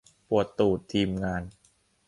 ปวดตูด ทีมงาน